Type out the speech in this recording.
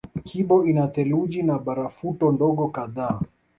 Kibo ina theluji na barafuto ndogo kadhaa